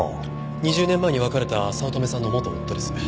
２０年前に別れた早乙女さんの元夫です。